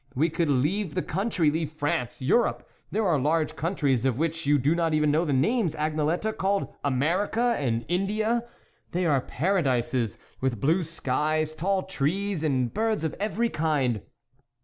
... We could leave the country, leave France, Europe ; there are large countries, of which you do not even know the names, Agnelette, called America and India. They are paradises, with blue skies, tall trees and birds of every kind.